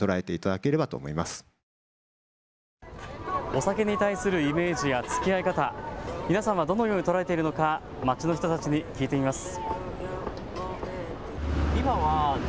お酒に対するイメージやつきあい方、皆さんはどのように捉えているのか、街の人たちに聞いてみます。